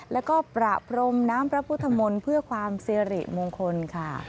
แล้วก็ประพรมน้ำพระพุทธมนต์เพื่อความสิริมงคลค่ะ